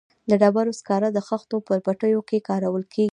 د ډبرو سکاره د خښتو په بټیو کې کارول کیږي